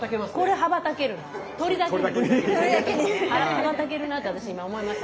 羽ばたけるなって私今思いました。